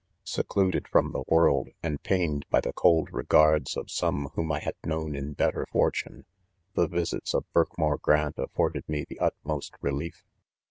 ■' Secluded from the world, and pained by th 3 cold regards of some whom I had known in better fortune, the visits of Birkmoor Grant af forded me the utmost relief.